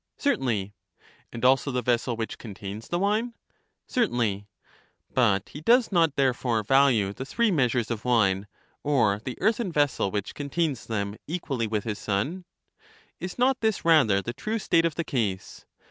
Certainly. And also the vessel which contains the wine? Certainly. But he does not therefore value the three measures of wine, or the earthen vessel which contains them, equally with his son ? Is not this rather the true state of the case?